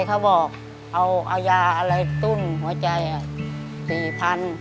เขาบอกเอายาอะไรตุ้นหัวใจ๔๐๐บาท